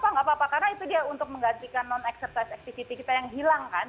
apa nggak apa apa karena itu dia untuk menggantikan non exercise activity kita yang hilang kan